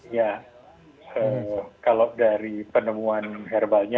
ya kalau dari penemuan herbalnya